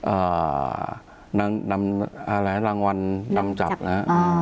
เอ่อนำอะไรรางวัลนำจับนะ